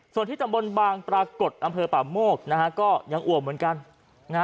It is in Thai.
ส่วนที่ตำบลบางปรากฏอำเภอป่าโมกนะฮะก็ยังอวมเหมือนกันนะฮะ